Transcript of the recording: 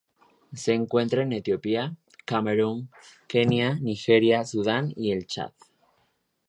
Se encuentra en Etiopía, Camerún, Kenia, Nigeria, Sudán y el Chad.